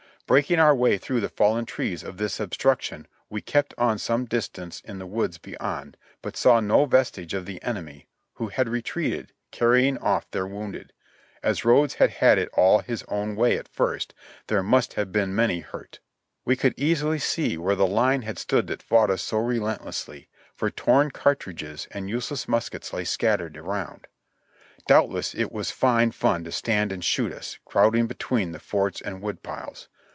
Breaking our way through the fallen trees of this obstruction we kept on some distance in the woods beyond, but saw no vestige of the enemy, who had re treated, carrying off their wounded. As Rodes had had it all his own way at first, there must have been many hurt. We could easily see where the line had stood that fought us so relentlessly, for torn cartridges and useless muskets lay scat tered around. Doubtless it was fine fun to stand and shoot us, crowding between the forts and wood piles.